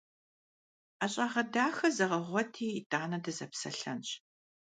Ӏэщагъэ дахэ зэгъэгъуэти, итӀанэ дызэпсэлъэнщ!